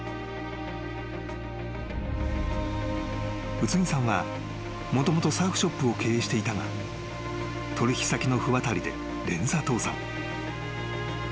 ［卯都木さんはもともとサーフショップを経営していたが取引先の不渡りで連鎖倒産］